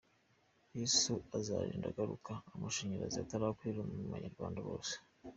Yesu azarinda agaruka amashanyarazi atarakwira mu abanyarwanda Bose.